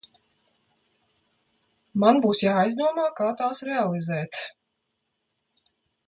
Man būs jāizdomā, kā tās realizēt.